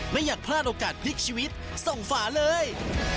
ไม่อยากพลาดโอกาสพลิกชีวิตส่งฝาเลย